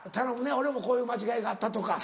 俺もこういう間違いがあったとか。